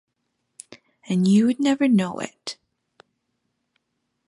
And you would never know it.